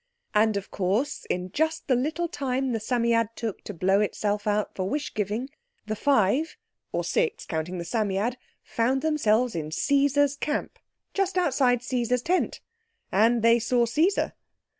And, of course, in just the little time the Psammead took to blow itself out for wish giving, the five, or six counting the Psammead, found themselves in Caesar's camp, just outside Caesar's tent. And they saw Caesar.